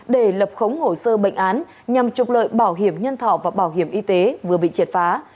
để lập khống hồ sơ bệnh án nhằm trục lợi bảo hiểm nhân thọ và bảo hiểm y tế vừa bị triệt phá